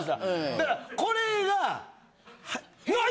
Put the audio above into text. だからこれが。